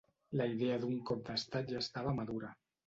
La idea d'un cop d'estat ja estava madura.